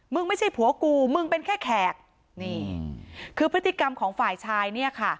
ไม่ใช่ผัวกูมึงเป็นแค่แขกนี่คือพฤติกรรมของฝ่ายชายเนี่ยค่ะ